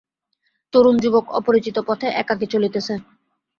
তরুণ যুবক অপরিচিত পথে একাকী চলিতেছে!